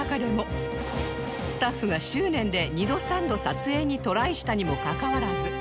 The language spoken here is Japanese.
スタッフが執念で２度３度撮影にトライしたにもかかわらず